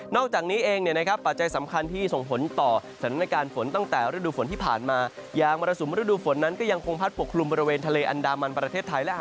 นอกจากนี้เองปัจจัยสำคัญที่ส่งผลต่อ